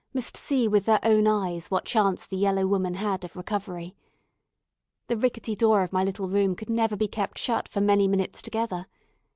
must see with their own eyes what chance the yellow woman had of recovery. The rickety door of my little room could never be kept shut for many minutes together.